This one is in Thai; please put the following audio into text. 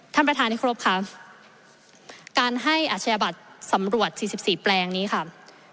ท่านประธานที่ครบค่ะการให้อาชญาบัตรสำรวจสี่สิบสี่แปลงนี้ค่ะ